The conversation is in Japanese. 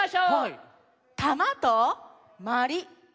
「たま」と「まり」。